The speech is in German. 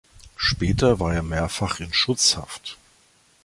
Später war er mehrfach in „Schutzhaft“.